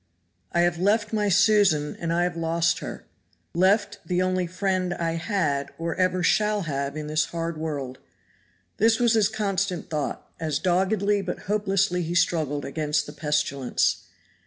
"I have left my Susan and I have lost her left the only friend I had or ever shall have in this hard world." This was his constant thought, as doggedly but hopelessly he struggled against the pestilence.